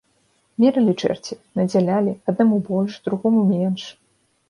Мералі, чэрці, надзялялі, аднаму больш, другому менш.